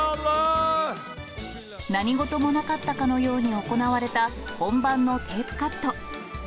何事もなかったかのように行われた本番のテープカット。